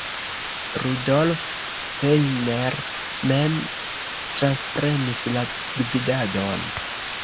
Rudolf Steiner mem transprenis la gvidadon.